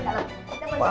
masuk duluan ke dalam